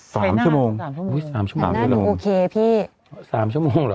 สามชั่วโมงสามชั่วโมงสามชั่วโมงสามชั่วโมงสามชั่วโมงสามชั่วโมง